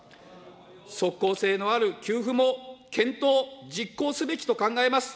即効性のある給付も検討、実行すべきと考えます。